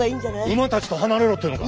馬たちと離れろって言うのか？